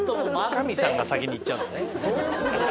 深見さんが先に行っちゃうのね。